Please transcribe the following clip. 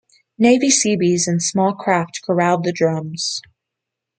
Navy Seabees in small craft corralled the drums.